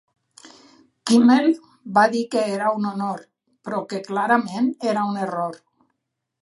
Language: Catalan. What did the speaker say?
Kimmel va dir que era un honor, però que clarament era un error.